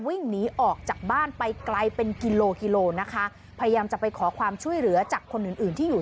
วิ่งหนีออกจากบ้านไปไกลเป็นกิโลกิโลนะคะพยายามจะไปขอความช่วยเหลือจากคนอื่นอื่นที่อยู่